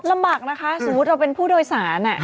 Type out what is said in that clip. ลำบากนะคะสมมุติเราเป็นผู้โดยสาร